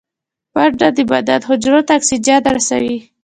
منډه د بدن حجرو ته اکسیجن رسوي